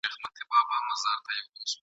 چا توري، چا قلمونه او چا دواړه چلولي دي !.